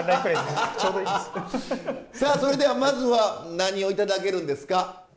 さあそれではまずは何を頂けるんですか？